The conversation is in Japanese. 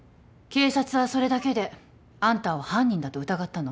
警察はそれだけであんたを犯人だと疑ったの？